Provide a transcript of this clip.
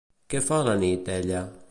Què fa a la nit, ella?